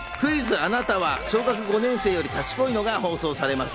あなたは小学５年生より賢いの？』が放送されます。